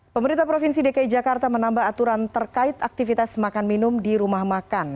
pemerintah provinsi dki jakarta menambah aturan terkait aktivitas makan minum di rumah makan